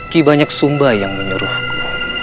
ki banyak sumba yang menyuruhku